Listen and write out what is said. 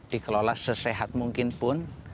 dikelola sesehat mungkin pun